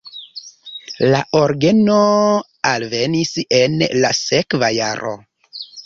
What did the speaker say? La orgeno alvenis en la sekva jaro.